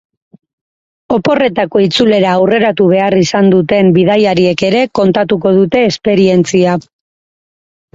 Oporretako itzulera aurreratu behar izan duten bidaiariek ere kontatuko dute esperientzia.